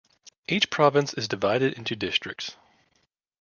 Each province is divided into districts.